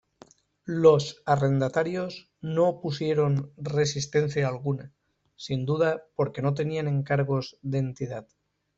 Los arrendatarios no opusieron resistencia alguna, sin duda porque no tenían encargos de entidad.